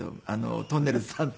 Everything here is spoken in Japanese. とんねるずさんと。